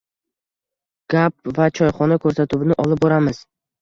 Gap va choyxona ko’rsatuvini olib boramiz.